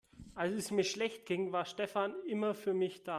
Als es mir schlecht ging, war Stefan immer für mich da.